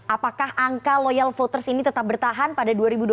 apakah angka loyal voters ini tetap bertahan pada dua ribu dua puluh